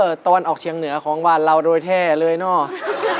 เออตอนออกเชียงเหนือของว่านราวโดยแท่เลยนะ